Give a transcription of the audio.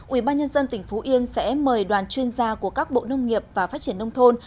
ubnd tỉnh phú yên sẽ mời đoàn chuyên gia của các bộ nông nghiệp và phát triển nông thôn